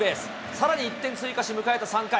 さらに１点追加し、迎えた３回。